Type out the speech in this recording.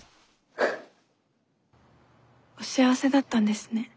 お幸せだったんですね。